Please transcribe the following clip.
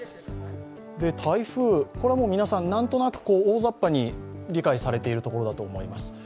台風、これは皆さん、何となく大ざっぱに理解されているところだと思います。